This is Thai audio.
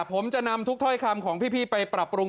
ผมจะนำทุกถ้อยคำของพี่ไปปรับปรุง